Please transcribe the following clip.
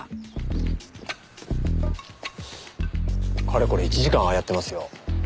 かれこれ１時間ああやってますよ。